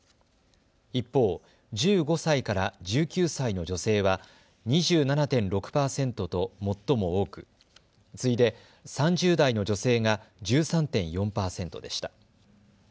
一方、１５歳から１９歳の女性は２７．６％と最も多く、次いで３０代の女性が１３．４％でした。